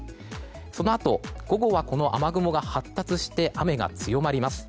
そのあと午後はこの雨雲が発達して雨が強まります。